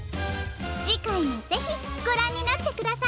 じかいもぜひごらんになってくださいね。